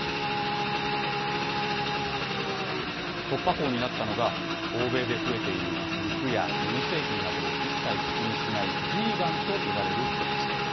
突破口になったのは、欧米で増えている、肉や乳製品などを一切口にしないビーガンと呼ばれる人たち。